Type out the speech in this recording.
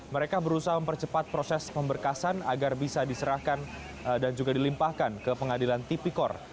mereka berusaha mempercepat proses pemberkasan agar bisa diserahkan dan juga dilimpahkan ke pengadilan tipikor